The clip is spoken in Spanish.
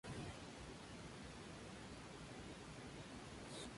En la Segunda Guerra Mundial era una enfermera alemana de la Cruz Roja.